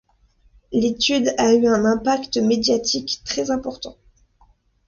L'étude a eu un impact médiatique très important.